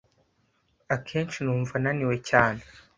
Akenshi numva naniwe cyane.